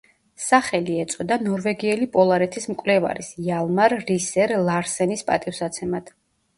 სახელი ეწოდა ნორვეგიელი პოლარეთის მკვლევარის იალმარ რისერ-ლარსენის პატივსაცემად.